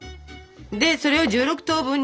でそれを１６等分に。